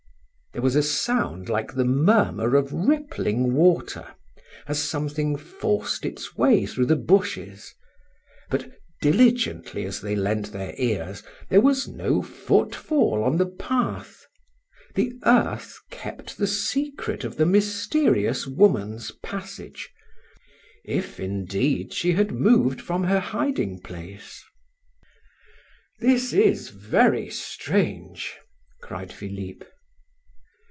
There was a sound like the murmur of rippling water, as something forced its way through the bushes; but diligently as they lent their ears, there was no footfall on the path, the earth kept the secret of the mysterious woman's passage, if indeed she had moved from her hiding place. "This is very strange!" cried Philip.